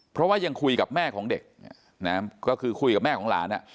เพราะว่ายังคุยกับแม่ของเด็กนะก็คือคุยกับแม่ของหลานอ่ะ